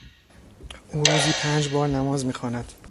او روزی پنج بار نماز میخواند.